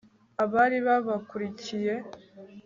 abari babakurikiye